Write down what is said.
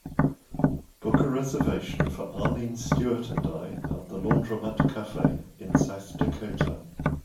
Book a reservation for arlene stewart and I at The Laundromat Cafe in South Dakota